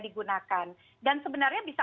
digunakan dan sebenarnya bisa